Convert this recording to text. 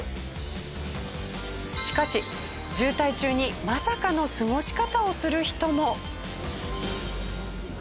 しかし渋滞中にまさかの過ごし方をする人も。